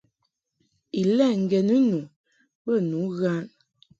Ilɛ ŋgeni nu bə nu ghan.